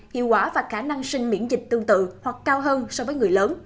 hiệu quả và khả năng sinh miễn dịch tương tự hoặc cao hơn so với người lớn